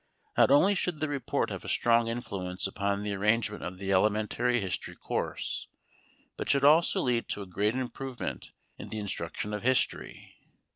Not only should the report have a strong influence upon the arrangement of the elementary history course, but it should also lead to a great improvement in the instruction of history.